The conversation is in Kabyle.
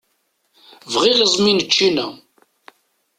Bɣiɣ iẓmi n ččina.